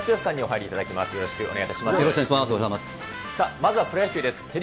さあ、まずはプロ野球です。